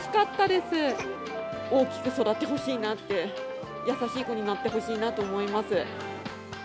大きく育ってほしいなって、優しい子になってほしいなと思います。